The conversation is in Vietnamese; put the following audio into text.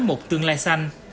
một tương lai xanh